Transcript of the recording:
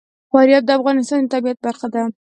فاریاب د افغانستان د طبیعت برخه ده.